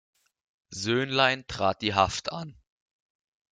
Söhnlein trat die Haft an.